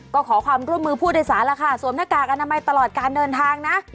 ก็ขอความร่วมมือผู้โดยสารแล้วค่ะสวมหน้ากากอนามัยตลอดการเดินทางนะ